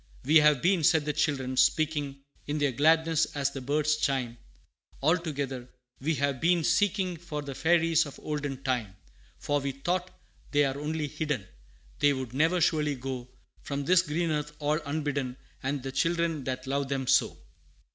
"We have been," said the children, speaking In their gladness, as the birds chime, All together, "we have been seeking For the Fairies of olden time; For we thought, they are only hidden, They would never surely go From this green earth all unbidden, And the children that love them so.